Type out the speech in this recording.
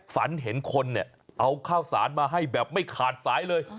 ฝันเห็นคนเนี่ยเอาข้าวสารมาให้แบบไม่ขาดสายเลย